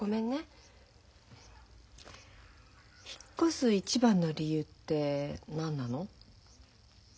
引っ越す一番の理由って何なの？